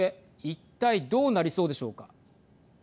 一体どうなりそうでしょうか。